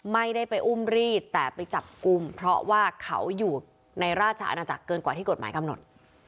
ไม่ได้ไปอุ้มรีดแต่ไปจับกลุ่มเพราะว่าเขาอยู่ในราชอาณาจักรเกินกว่าที่กฎหมายกำหนด